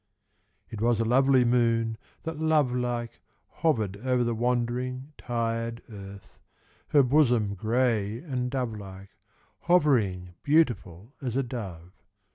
It was the lovely moon that lovelike Hovered over the wandering, tired Earth, her bosom gray and dovelike, Hovering beautiful as a dove....